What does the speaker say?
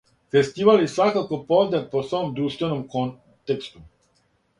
Фестивал је свакако познат по свом друштвеном контексту.